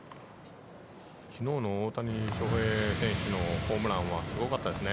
きのうの大谷翔平選手のホームランはすごかったですね。